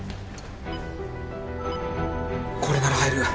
これなら入る。